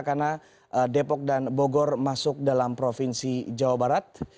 karena depok dan bogor masuk dalam provinsi jawa barat